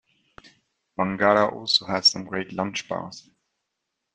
Wangara also has some great lunch bars.